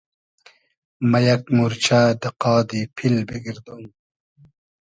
مۂ یئگ مورچۂ دۂ قادی پیل بیگئردوم